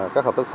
các hợp tác xã